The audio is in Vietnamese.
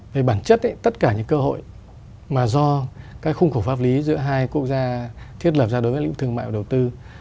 về bản chất tất cả những cơ hội mà do các khung khổ pháp lý giữa hai quốc gia thiết lập ra đối với lĩnh thương mại và đầu tư